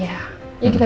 iya kita berdua